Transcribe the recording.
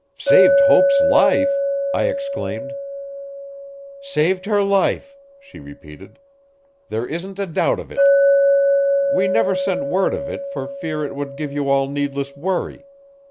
'Saved Hope's life!' I exclaimed. 'Saved her life,' she repeated, 'there isn't a doubt of it. We never sent word of it for fear it would give you all needless worry.